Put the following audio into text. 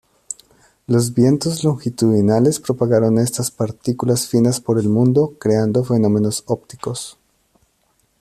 Los vientos longitudinales propagaron estas partículas finas por el mundo, creando fenómenos ópticos.